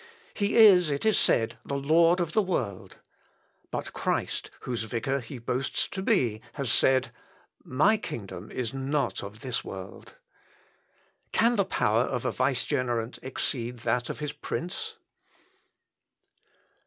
He is, it is said, the lord of the world. But Christ, whose vicar he boasts to be, has said, 'My kingdom is not of this world.' Can the power of a vicegerent exceed that of his prince?..."